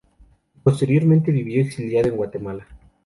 Posteriormente vivió exiliado en Guatemala.